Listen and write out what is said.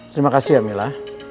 terima kasih yamila